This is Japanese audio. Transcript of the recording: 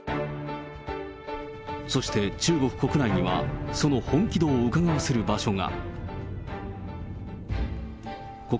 そして中国国内には、その本気度をうかがわせる場所が。